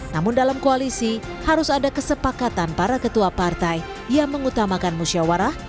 namun dalam koalisi harus ada kesepakatan para ketua partai yang mengutamakan musyawarah